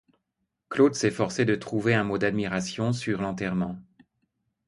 Claude s'efforçait de trouver un mot d'admiration sur L'Enterrement.